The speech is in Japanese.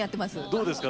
どうですか？